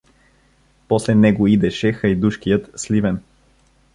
После него идеше хайдушкият Сливен.